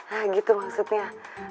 nah gitu maksudnya